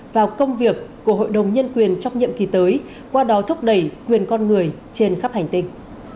vào công việc của hội đồng nhân quyền trong nhiệm kỳ tới qua đó thúc đẩy quyền con người trên khắp hành tinh